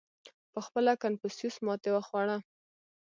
• پهخپله کنفوسیوس ماتې وخوړه.